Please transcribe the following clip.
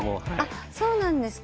そうなんですか。